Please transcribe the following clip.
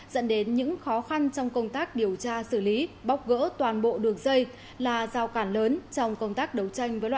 dẫn đến những khó khăn trong công tác điều tra xử lý bóc gỡ toàn bộ đường dây là giao cản lớn trong công tác đấu tranh với loại